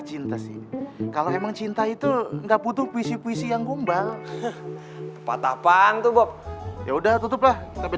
membuat kalau melihat norman lagi butuh uang sekarang gini what is insipos ironic